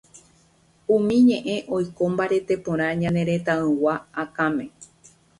umi ñe'ẽ oike mbarete porã ñane retãygua akãme.